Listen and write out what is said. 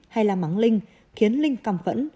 hay là mắng linh khiến linh căm phẫn